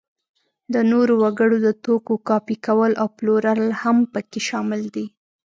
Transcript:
د نورو وګړو د توکو کاپي کول او پلورل هم په کې شامل دي.